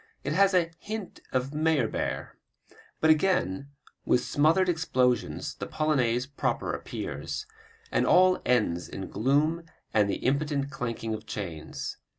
It has a hint of Meyerbeer. But again with smothered explosions the Polonaise proper appears, and all ends in gloom and the impotent clanking of chains.